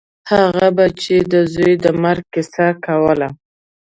هغه به چې د زوى د مرګ کيسه کوله.